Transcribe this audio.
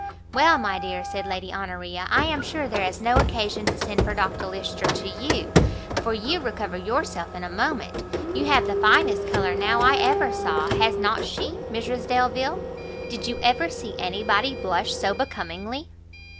"Well, my dear," said Lady Honoria, "I am sure there is no occasion to send for Dr Lyster to you, for you recover yourself in a moment; you have the finest colour now I ever saw; has not she, Mrs Delvile? did you ever see anybody blush so becomingly?"